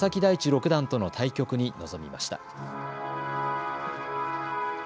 六段との対局に臨みました。